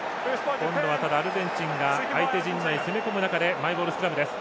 今度はアルゼンチンが相手陣内攻め込む中でマイボールスクラムです。